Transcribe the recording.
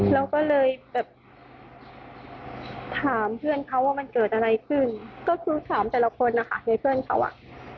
เราก็เลยแบบถามเพื่อนเขาว่ามันเกิดอะไรขึ้นก็คือถามแต่ละคนนะคะในเพื่อนเขาอ่ะ